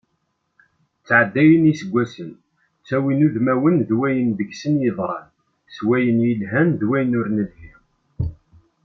Ttɛeddayen yiseggasen, ttawin udmawen d wayen deg-sen yeḍran, s wayen yelhan d wayen ur nelhi.